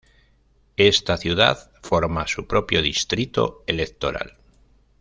Esta ciudad forma su propio Distrito Electoral.